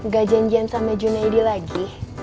gak janjian sama june eddy lagi